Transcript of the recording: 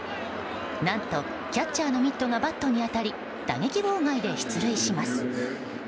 何と、キャッチャーのミットがバットに当たり打撃妨害で出塁します。